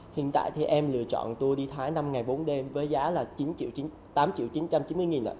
hiện tại thì em lựa chọn tour đi thái năm ngày bốn đêm với giá là tám chín trăm chín mươi đồng